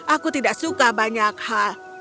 aku tidak suka banyak hal